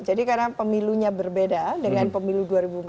jadi karena pemilunya berbeda dengan pemilu dua ribu empat belas